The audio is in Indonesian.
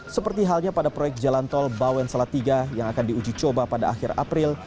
seperti halnya pada proyek jalan tol bawen salatiga yang akan diuji coba pada akhir april